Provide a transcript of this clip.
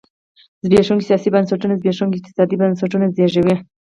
زبېښونکي سیاسي بنسټونه زبېښونکي اقتصادي بنسټونه زېږوي.